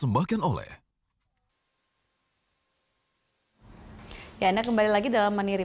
apakah di sana sendiri